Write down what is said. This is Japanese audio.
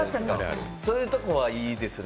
そういうところはいいですね。